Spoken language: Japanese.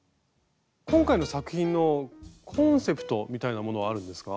今回の作品のコンセプトみたいなものはあるんですか？